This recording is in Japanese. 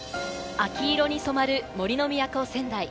秋色に染まる杜の都・仙台。